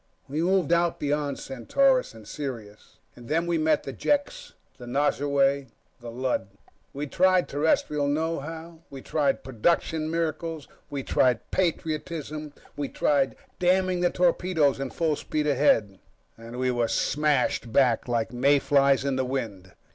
We moved out beyond Centaurus, and Sirius, and then we met the Jeks, the Nosurwey, the Lud. We tried Terrestrial know how, we tried Production Miracles, we tried patriotism, we tried damning the torpedoes and full speed ahead ... and we were smashed back like mayflies in the wind.